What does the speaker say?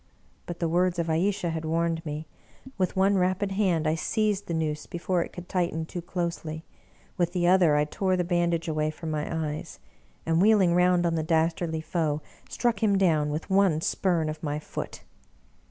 But the words of Ayesha had warned me; with one rapid hand I seized the noose before it could tighten too closely, with the other I tore the bandage away from my eyes, and, wheeling round on the dastardly foe, struck him down with one spurn of my foot.